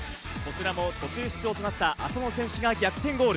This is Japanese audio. こちらも途中出場となった浅野選手が逆転ゴール。